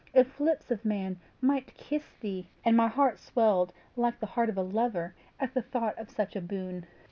if lips of man might kiss thee!' and my heart swelled like the heart of a lover at the thought of such a boon.